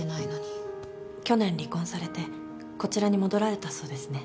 去年離婚されてこちらに戻られたそうですね。